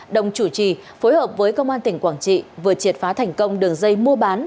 đồng chủ trì phối hợp với công an tỉnh quảng trị vừa triệt phá thành công đường dây mua bán